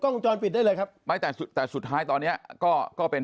กล้องจอดปิดได้เลยครับไม่แต่สุดแต่สุดท้ายตอนนี้ก็ก็เป็น